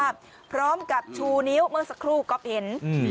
พร้อมกับชูนิ้วเมื่อสักครู่ก๊อฟเห็นอืม